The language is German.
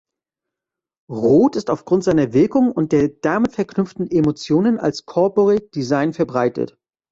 Rot ist aufgrund seiner Wirkung und der damit verknüpften Emotionen als "Corporate Design" verbreitet.